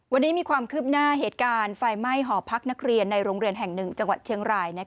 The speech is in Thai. วันนี้มีความคืบหน้าเหตุการณ์ไฟไหม้หอพักนักเรียนในโรงเรียนแห่งหนึ่งจังหวัดเชียงราย